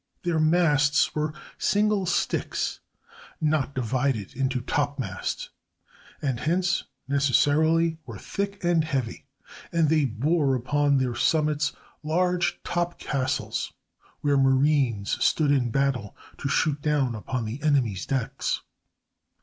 Their masts were single sticks,—not divided into topmasts,—and hence, necessarily, were thick and heavy; and they bore upon their summits large "top castles" where marines stood in battle to shoot down upon the enemy's decks.